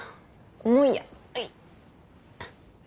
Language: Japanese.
重いやはい。